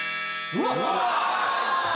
うわ！